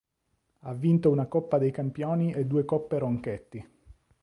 Ha vinto una Coppa dei Campioni e due Coppe Ronchetti.